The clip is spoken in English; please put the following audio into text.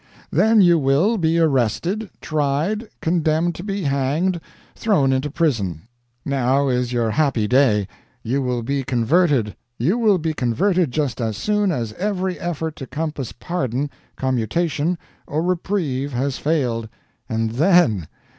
Then you will be arrested, tried, condemned to be hanged, thrown into prison. Now is your happy day. You will be converted you will be converted just as soon as every effort to compass pardon, commutation, or reprieve has failed and then!